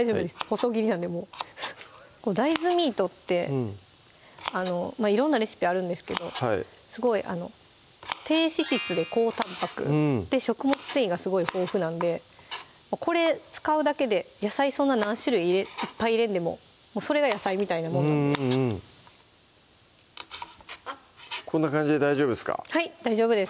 細切りなんでもう大豆ミートって色んなレシピあるんですけど低脂質で高タンパクで食物繊維がすごい豊富なんでこれ使うだけで野菜そんな何種類いっぱい入れんでもそれが野菜みたいなもんなんでこんな感じで大丈夫ですかはい大丈夫です